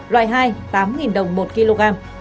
loại hai tám đồng một kg